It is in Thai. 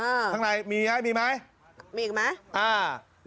เอ่อทางในมีไหมมีไหมมีอีกไหมอ้าว